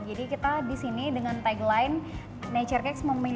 jadi kita di sini dengan tagline nature cakes memiliki tagline the real healthy cakes from bali